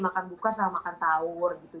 makan buka sama makan sahur gitu